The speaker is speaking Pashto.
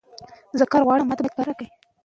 زه د ورځني ژوند په جریان کې د سنکس اندازه تنظیموم.